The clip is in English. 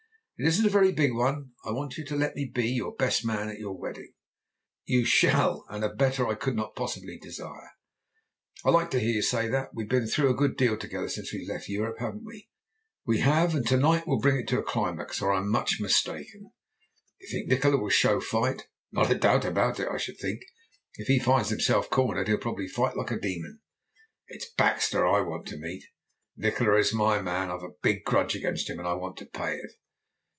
"It isn't a very big one. I want you to let me be your best man at your wedding?" "So you shall. And a better I could not possibly desire." "I like to hear you say that. We've been through a good deal together since we left Europe, haven't we?" "We have, and to night will bring it to a climax, or I'm much mistaken." "Do you think Nikola will show fight?" "Not a doubt about it I should think. If he finds himself cornered he'll probably fight like a demon." "It's Baxter I want to meet." "Nikola is my man. I've a big grudge against him, and I want to pay it."